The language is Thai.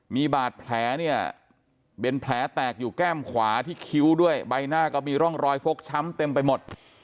มีบาดแผลเนี่ยเป็นแผลแตกอยู่แก้มขวาที่คิ้วด้วยใบหน้าก็มีร่องรอยฟกช้ำเต็มไปหมด